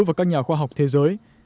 và các nhà khoa học thế giới